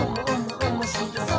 おもしろそう！」